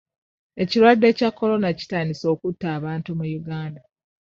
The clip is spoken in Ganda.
Ekirwadde kya Corona kitandise okutta abantu mu Uganda.